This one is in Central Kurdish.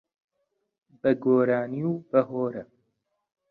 بە گۆرانی و بە هۆرە